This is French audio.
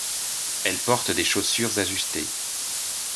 Elle porte des chaussures ajustées.